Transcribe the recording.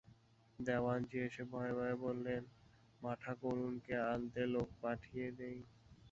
দেওয়ানজি এসে ভয়ে ভয়ে বললেন, মাঠাকরুনকে আনতে লোক পাঠিয়ে দিই?